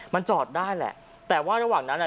มันจอดได้แหละแต่ว่าระหว่างนั้นอ่ะ